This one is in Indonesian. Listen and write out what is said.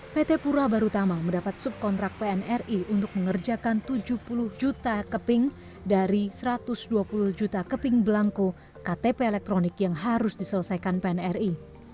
pt pura barutama mendapat subkontrak pnri untuk mengerjakan tujuh puluh juta keping dari satu ratus dua puluh juta keping belangko ktp elektronik yang harus diselesaikan pnri